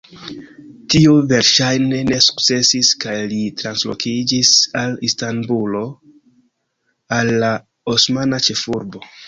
Tio verŝajne ne sukcesis kaj li translokiĝis al Istanbulo, al la osmana ĉefurbo.